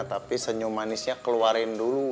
tapi senyum manisnya keluarin dulu